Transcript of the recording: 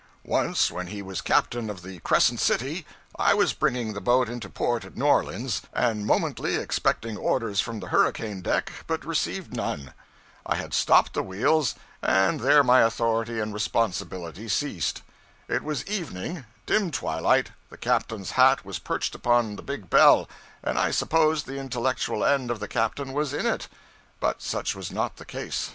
Once when he was captain of the 'Crescent City,' I was bringing the boat into port at New Orleans, and momently expecting orders from the hurricane deck, but received none. I had stopped the wheels, and there my authority and responsibility ceased. It was evening dim twilight the captain's hat was perched upon the big bell, and I supposed the intellectual end of the captain was in it, but such was not the case.